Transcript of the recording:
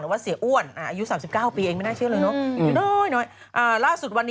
พี่นอนกินทุกวัน